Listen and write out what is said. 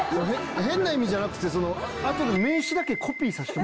変な意味じゃなくて後で。